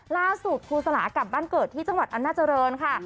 ครูสลากลับบ้านเกิดที่จังหวัดอำนาจริงค่ะ